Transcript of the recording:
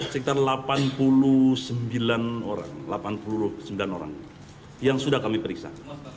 sekitar delapan puluh sembilan orang yang sudah kami periksa